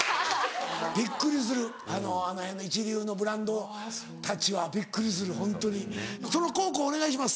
びっくりするあの辺の一流のブランドたちはびっくりするホントにその黄皓お願いします。